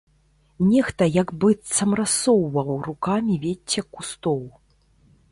Нехта як быццам рассоўваў рукамі вецце кустоў.